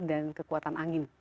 dan kekuatan angin